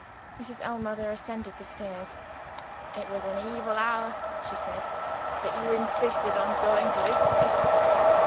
Mrs. Ellmother ascended the stairs. "It was an evil hour," she said, "that you insisted on going to this place.